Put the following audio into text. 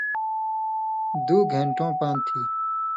دُو گھینٹَوں پان تھی۔